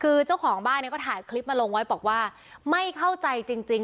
คือเจ้าของบ้านเนี่ยก็ถ่ายคลิปมาลงไว้บอกว่าไม่เข้าใจจริง